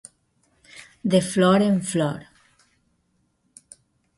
De flor en flor.